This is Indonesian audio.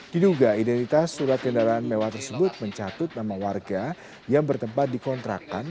diduga identitas surat kendaraan mewah tersebut mencatut nama warga yang bertempat di kontrakan